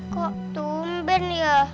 kok tumben ya